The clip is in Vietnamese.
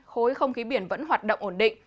khối không khí biển vẫn hoạt động ổn định